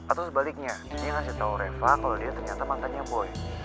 atau sebaliknya dia ngasih tau reva kalau dia ternyata mantannya boy